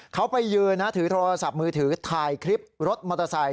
เขาไปยืนนะถือโทรศัพท์มือถือถ่ายคลิปรถมอเตอร์ไซค